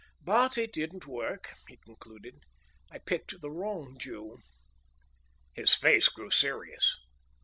"But it didn't work," he concluded. "I picked the wrong Jew." His face grew serious.